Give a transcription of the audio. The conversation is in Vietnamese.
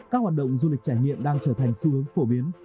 các hoạt động du lịch trải nghiệm đang trở thành xu hướng phổ biến